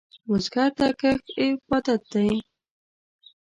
بزګر ته کښت عبادت دی